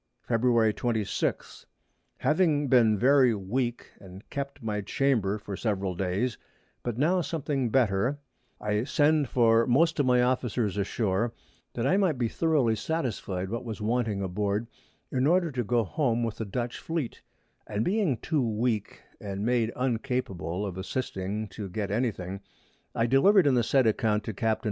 Feb. 26. Having been very weak, and kept my Chamber for several Days, but now something better, I sent for most of my Officers ashore, that I might be thoroughly satisfied what was wanting aboard, in order to go home with the Dutch Fleet; and being too weak, and made uncapable of assisting to get any thing, I deliver'd in the said Account to Capts.